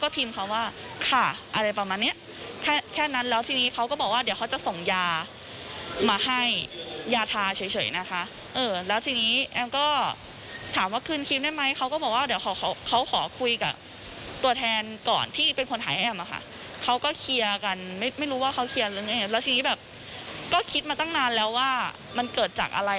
ผมเราว่าเราโดนไงมันเกิดจากอะไร